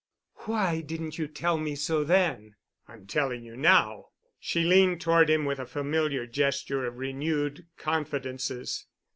"Why didn't you tell me so then?" "I'm telling you now." She leaned toward him with a familiar gesture of renewed confidences.